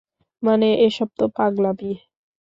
মানে, এসব তো পাগলামি।